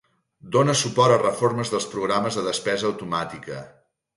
Dona suport a reformes dels programes de despesa automàtica.